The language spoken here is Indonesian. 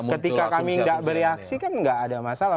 ketika kami tidak bereaksi kan tidak ada masalah